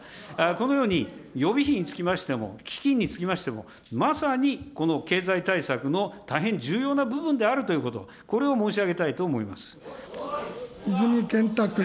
このように予備費につきましても、基金につきましても、まさに、この経済対策の大変重要な部分であるということ、これを申し上げ泉健太君。